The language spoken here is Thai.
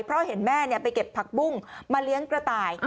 เพราะเห็นแม่ไปเก็บผักบุ้งมาเลี้ยงกระต่าย